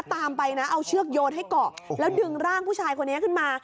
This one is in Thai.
ตามไปนะเอาเชือกโยนให้เกาะแล้วดึงร่างผู้ชายคนนี้ขึ้นมา